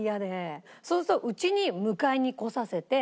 そうするとうちに迎えに来させて。